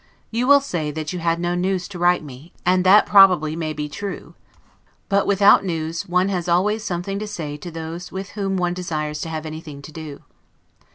You will say, that you had no news to write me; and that probably may be true; but, without news, one has always something to say to those with whom one desires to have anything to do.